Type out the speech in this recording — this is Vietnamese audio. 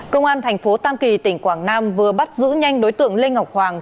công an thành phố tam kỳ tỉnh quảng nam vừa bắt giữ nhanh đối tượng lê ngọc hoàng